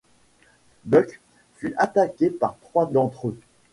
Buck fut attaqué par trois d’entre eux.